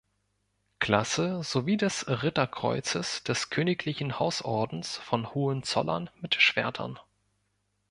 Klasse sowie des Ritterkreuzes des Königlichen Hausordens von Hohenzollern mit Schwertern.